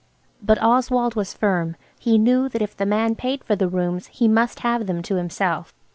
But Oswald was firm. He knew that if the man paid for the rooms he must have them to himself.